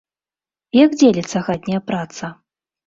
Як дзеліцца хатняя праца?